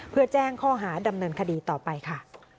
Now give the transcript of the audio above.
เพื่อแจ้งข้อหาดำเนินคดีต่อไปค่ะ